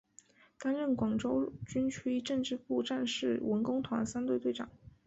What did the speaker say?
担任广州军区政治部战士文工团三队队长。